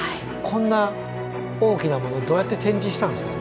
こんな大きなものどうやって展示したんですか？